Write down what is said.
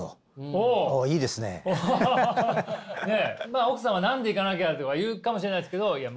まあ奥さんは「何で行かなきゃ」とか言うかもしれないですけどいや